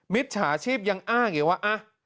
มิตรฉาชีพยังอ้างอย่างนี้ว่า